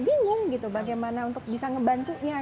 bingung gitu bagaimana untuk bisa ngebantunya